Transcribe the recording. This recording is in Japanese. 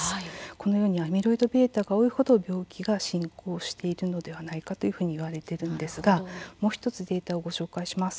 このようにアミロイドβが多いほど病気が進行しているのではないかというふうに言われているんですがもう１つデータをご紹介します。